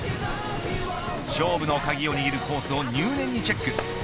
勝負の鍵を握るコースを入念にチェック。